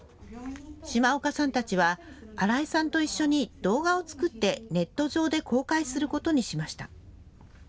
嶋岡さんたちは新井さんと一緒に動画を作ってネット上で公開することにしました。